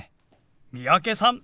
三宅さん